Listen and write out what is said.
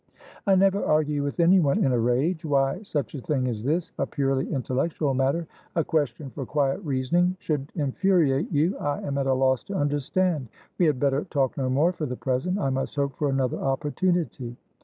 "I never argue with anyone in a rage. Why such a thing as thisa purely intellectual mattera question for quiet reasoningshould infuriate you, I am at a loss to understand. We had better talk no more for the present. I must hope for another opportunity."